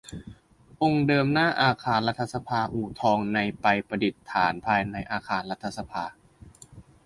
องค์เดิมหน้าอาคารรัฐสภาอู่ทองในไปประดิษฐานภายในอาคารรัฐสภา